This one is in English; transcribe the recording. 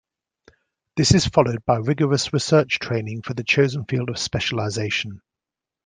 This is followed by rigorous research training for the chosen field of specialization.